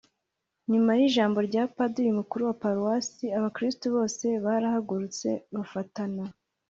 nyuma y’ijambo rya padiri mukuru wa paruwasi, abakristu bose barahagurutse bafatana